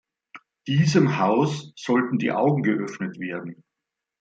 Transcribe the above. Diesem Haus sollten die Augen geöffnet werden.